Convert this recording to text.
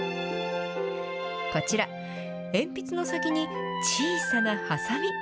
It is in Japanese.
こちら鉛筆の先に小さなはさみ。